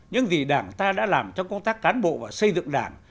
những gì đảng ta đã làm trong công tác cán bộ và xây dựng đảng